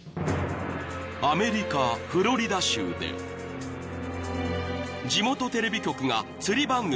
［アメリカフロリダ州で地元テレビ局が釣り番組を撮影］